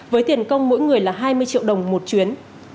với tiền công mỗi người là hai mươi triệu đồng một chuyến